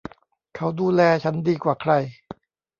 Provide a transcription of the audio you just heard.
เขาดูแลฉันดีกว่าใคร